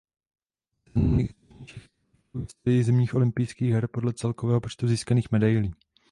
Seznam nejúspěšnějších sportovců v historii zimních olympijských her podle celkového počtu získaných medailí.